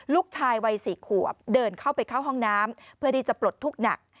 ลูกชายวัย๔ขวบเดินเข้าไปเข้าห้องน้ำเพื่อที่จะปลดทุกข์หนัก